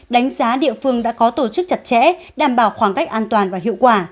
đánh giá địa phương đã có tổ chức chặt chẽ đảm bảo khoảng cách an toàn và hiệu quả